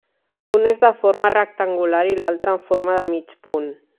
Un és de forma rectangular i l'altre amb forma de mig punt.